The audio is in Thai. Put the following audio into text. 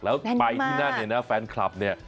แล้วไปที่นั่นเนี่ยนะแฟนคลับเนี่ย